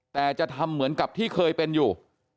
แต่จะทำเหมือนกับที่เคยเป็นอยู่